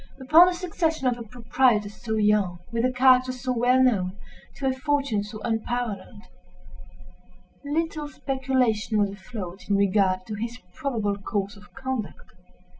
Upon the succession of a proprietor so young, with a character so well known, to a fortune so unparalleled, little speculation was afloat in regard to his probable course of conduct.